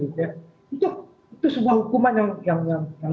itu sebuah hukuman yang